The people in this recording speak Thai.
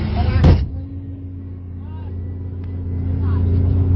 กลับยัง